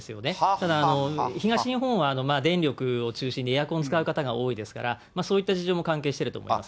ただ、東日本は電力を中心で、エアコン使う方が多いですから、そういった事情も関係してると思います。